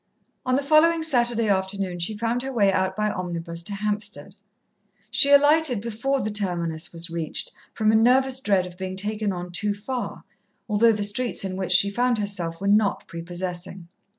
On the following Saturday afternoon she found her way out by omnibus to Hampstead. She alighted before the terminus was reached, from a nervous dread of being taken on too far, although the streets in which she found herself were not prepossessing.